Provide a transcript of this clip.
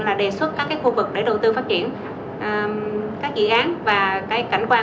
là đề xuất các khu vực để đầu tư phát triển các dự án và cảnh quan